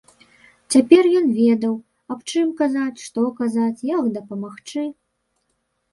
Цяпер ён ведаў, аб чым казаць, што казаць, як дапамагчы.